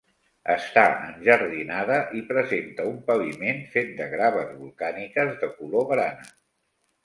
Està enjardinada i presenta un paviment fet de graves volcàniques de color grana.